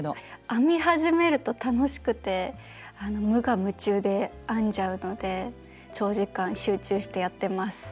編み始めると楽しくて無我夢中で編んじゃうので長時間集中してやってます。